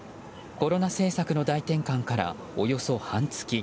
コロナ政策の大転換からおよそ半月。